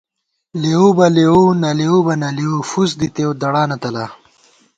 لېؤ بہ لېؤ ، نہ لېؤ بہ نہ لېؤ، فُس دِتېؤ دڑانہ تَلا